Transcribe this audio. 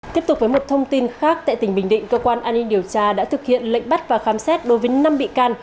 tiếp tục với một thông tin khác tại tỉnh bình định cơ quan an ninh điều tra đã thực hiện lệnh bắt và khám xét đối với năm bị can